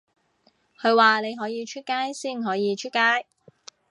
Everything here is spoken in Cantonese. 佢話你可以出街先可以出街